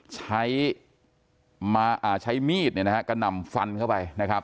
ใช้ใช้มีดเนี่ยนะฮะกระหน่ำฟันเข้าไปนะครับ